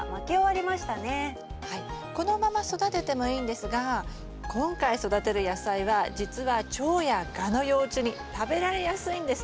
このまま育ててもいいんですが今回育てる野菜はじつは蝶やガの幼虫に食べられやすいんですね。